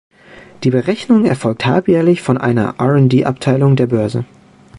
Die Berechnung erfolgt halbjährlich von einer R&D-Abteilung der Börse.